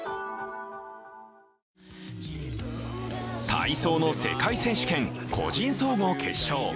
体操の世界選手権個人総合決勝。